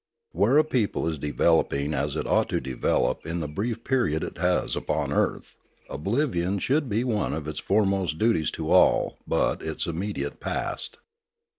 Where a people is developing as it ought to develop in the brief period it has upon earth, oblivion should be one of its foremost duties to all but its immediate past.